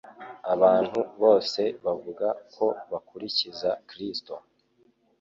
Abantu bose bavuga ko bakurikiza Kristo,